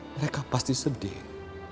mereka pasti sedih